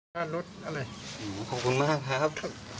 ขอบคุณมากครับ